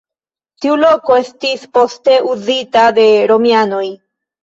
Tiu loko estis poste uzita de romianoj.